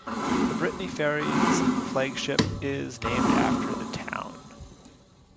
The Brittany Ferries flagship is named after the town.